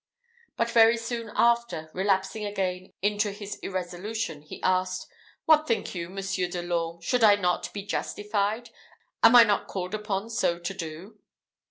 But very soon after, relapsing again into his irresolution, he asked, "What think you, Monsieur de l'Orme? Should I not be justified? Am I not called upon so to do?"